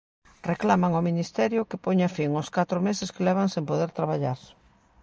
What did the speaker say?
Reclaman ao Ministerio que poña fin aos catro meses que levan sen poder traballar.